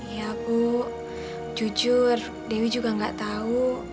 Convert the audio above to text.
iya ibu jujur dewi juga nggak tahu